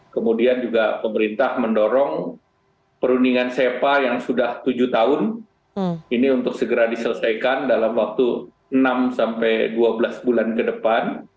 kemudian juga pemerintah mendorong perundingan sepa yang sudah tujuh tahun ini untuk segera diselesaikan dalam waktu enam sampai dua belas bulan ke depan